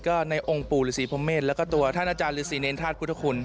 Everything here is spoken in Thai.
ก็ในองค์ปู่ฤษีพรหมเมษแล้วก็ตัวท่านอาจารย์ฤษีเนรธาตุพุทธคุณ